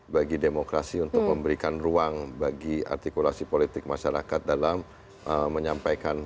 bagi demokrasi untuk memberikan ruang bagi artikulasi politik masyarakat dalam menyampaikan